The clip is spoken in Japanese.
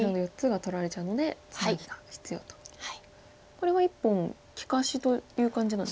これは１本利かしという感じなんですか。